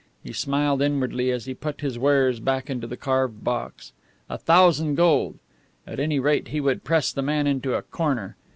He smiled inwardly as he put his wares back into the carved box. A thousand gold! At any rate, he would press the man into a corner.